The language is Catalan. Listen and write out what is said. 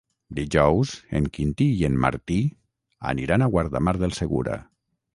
Dijous en Quintí i en Martí aniran a Guardamar del Segura.